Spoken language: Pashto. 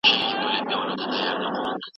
الوتکه له میدان څخه البوته.